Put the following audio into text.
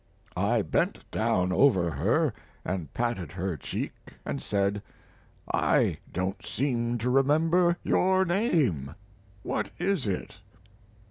I bent down over her and patted her cheek and said: "I don't seem to remember your name; what is it?"